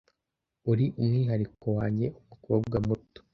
Uri umwihariko wanjye "Umukobwa muto"